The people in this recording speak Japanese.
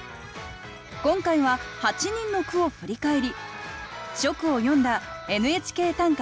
今回は８人の句を振り返り初句を詠んだ「ＮＨＫ短歌」